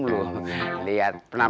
terum pak jawa terum